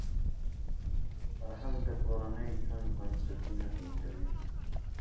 فرهنګ د کورني ژوند بنسټونه ټینګوي.